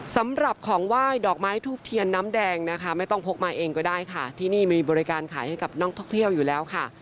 สำหรับของไหว้ดอกไม้ทูบเทียนน้ำแดงนะคะไม่ต้องพกมาเองก็ได้ค่ะที่นี่มีบริการขายให้กับนักท่องเที่ยวอยู่แล้วค่ะ